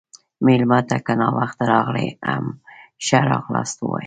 مېلمه ته که ناوخته راغلی، هم ښه راغلاست ووایه.